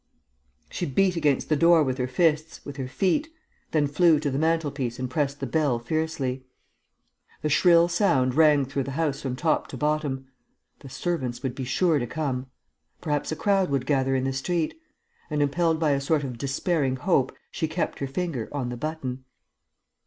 She beat against the door with her fists, with her feet, then flew to the mantelpiece and pressed the bell fiercely. The shrill sound rang through the house from top to bottom. The servants would be sure to come. Perhaps a crowd would gather in the street. And, impelled by a sort of despairing hope, she kept her finger on the button.